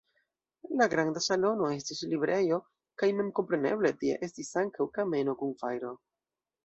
La granda salono estis librejo kaj memkompreneble tie estis ankaŭ kameno kun fajro.